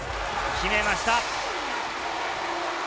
決めました。